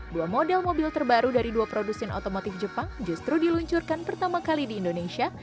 dua model mobil terbaru dari dua produsen otomotif jepang justru diluncurkan pertama kali di indonesia